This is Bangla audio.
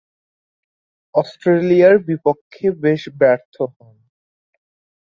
অস্ট্রেলিয়ার বিপক্ষে বেশ ব্যর্থ হন।